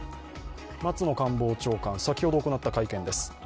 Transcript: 松野官房長官、先ほど行った会見です。